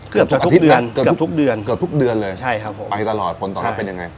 เกือบจะทุกเดือนเกือบทุกเดือนเลยไปตลอดผลตอบรับเป็นยังไง